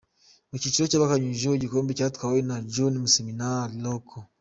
Mu cyiciro cy’abakanyujijeho, igikombe cyatwawe na John Museminali naho K.